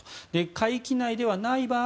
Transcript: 会期内ではない場合